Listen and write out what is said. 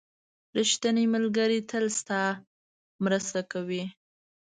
• ریښتینی ملګری تل ستا مرسته کوي.